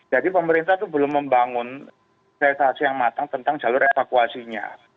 jadi pemerintah itu belum membangun situasi yang matang tentang jalur evakuasinya